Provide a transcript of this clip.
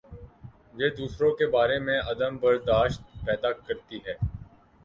یہ دوسروں کے بارے میں عدم بر داشت پیدا کر تی ہے۔